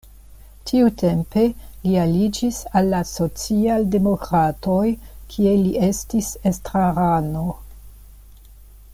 Tiutempe li aliĝis al la socialdemokratoj, kie li estis estrarano.